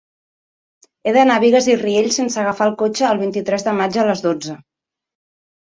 He d'anar a Bigues i Riells sense agafar el cotxe el vint-i-tres de maig a les dotze.